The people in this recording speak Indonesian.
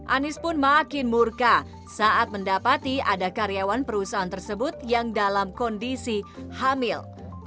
anies pun makin murka saat mendapati ada karyawan perusahaan tersebut yang dalam kondisi hamil